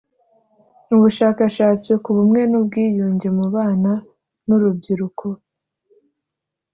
ubushakashatsi ku bumwe n ubwiyunge mu bana n urubyiruko